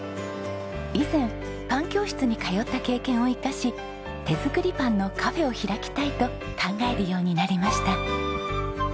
以前パン教室に通った経験を生かし手作りパンのカフェを開きたいと考えるようになりました。